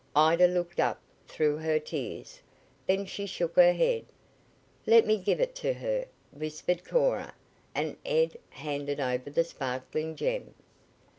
Ida looked up through her tears. Then she shook her head. "Let me give it to her," whispered Cora, and Ed handed over the sparkling gem.